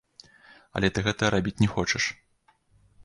Але ты гэтага рабіць не хочаш!